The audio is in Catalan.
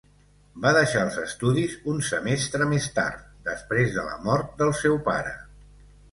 Va deixar els estudis un semestre més tard, després de la mort del seu pare.